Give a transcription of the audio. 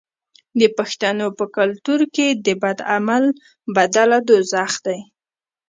د پښتنو په کلتور کې د بد عمل بدله دوزخ دی.